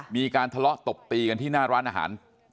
มีการทะเลาะตบตีกันที่หน้าร้านอาหาร